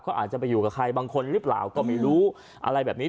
เขาอาจจะไปอยู่กับใครบางคนหรือเปล่าก็ไม่รู้อะไรแบบนี้